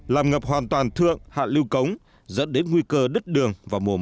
làm ngập hoàn toàn thượng hạ lưu cống dẫn đến nguy cơ đứt đường